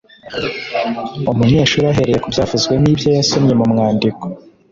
Umunyeshuri ahereye ku byavuzwe n’ibyo yasomye mu mwandiko